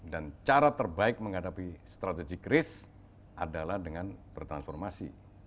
dan cara terbaik menghadapi strategik risk adalah dengan bertransformasi